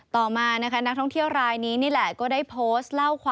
ต่อมานักท่องเที่ยวรายนี้ล่ะก็ได้โพสต์